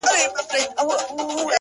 زما دې ژوند د ارواحونو په زنځير وتړئ-